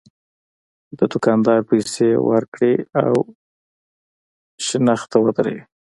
د دوکاندار پیسې ورکړي او شنخته ودروي.